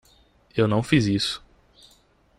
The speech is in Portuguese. Eu não fiz isso.